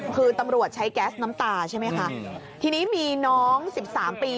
คือตำรวจใช้แก๊สน้ำตาใช่ไหมคะทีนี้มีน้องสิบสามปี